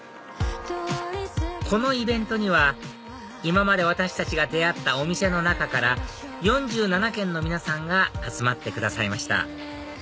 このイベントには今まで私たちが出会ったお店の中から４７軒の皆さんが集まってくださいました